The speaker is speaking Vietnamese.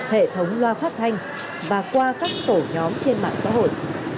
hệ thống loa phát thanh và qua các tổ nhóm trên mạng xã hội